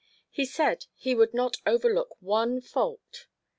He said he would not overlook one fault.